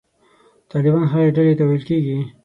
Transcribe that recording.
طالبان هغې ډلې ته ویل کېږي.